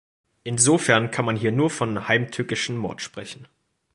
Insofern kann man hier nur von heimtückischen Mord sprechen.